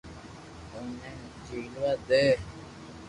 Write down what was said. اوني جھيلوا دي